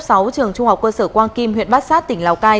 của bộ trưởng trung học quân sở quang kim huyện bát sát tỉnh lào cai